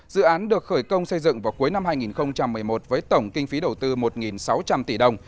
dự án được khởi công xây dựng vào cuối năm hai nghìn một mươi một với tổng kinh phí đầu tư một sáu trăm linh tỷ đồng